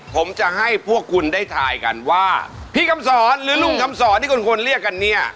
ผมจะให้พวกคุณได้ทายกันว่าพี่คำสอนหรือลุงคำสอนที่คนเรียกกันเนี่ย